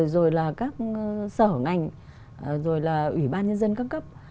rồi là các sở ngành rồi là ủy ban nhân dân các cấp